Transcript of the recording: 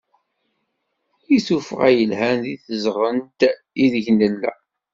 I tuffɣa yelhan seg tezɣent ideg nella.